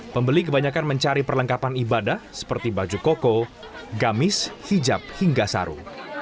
pembeli kebanyakan mencari perlengkapan ibadah seperti baju koko gamis hijab hingga saru